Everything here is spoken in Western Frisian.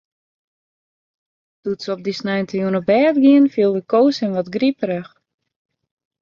Doe't se op dy sneintejûn op bêd giene, fielde Koos him wat griperich.